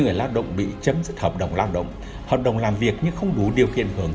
người lao động bị chấm dứt hợp đồng lao động hợp đồng làm việc nhưng không đủ điều kiện hưởng